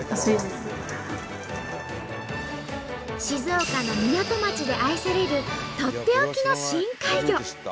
静岡の港町で愛されるとっておきの深海魚。